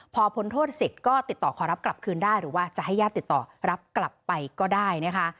พอพ้นโทษเสร็จก็ติดต่อขอรับกลับคืนได้หรือว่าจะให้ญาติติดต่อรับกลับไปก็ได้นะคะ